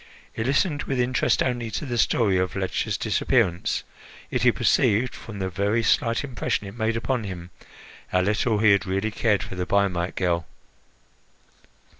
He listened with interest only to the story of Ledscha's disappearance, yet he perceived, from the very slight impression it made upon him, how little he had really cared for the Biamite girl.